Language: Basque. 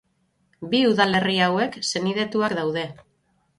Bi udalerri hauek senidetuak daude.